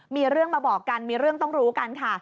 มีเรื่องมาบอกกันมีเรื่องต้องรู้กันค่ะ